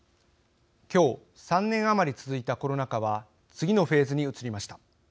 今日、３年余り続いたコロナ禍は次のフェーズに移りました。